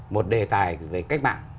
một đề tài về cách mạng